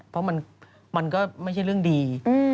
เพราะมันก็ไม่ใช่เรื่องดี